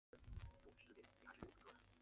是继法国巴黎市之后。